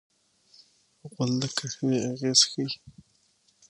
غول د قهوې اغېز ښيي.